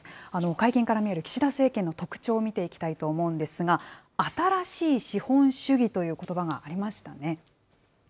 会見から見える岸田政権の特徴を見ていきたいと思うんですが、新しい資本主義ということばがありましたね。